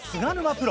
プロ。